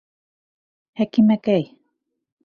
Хәкимәкәй!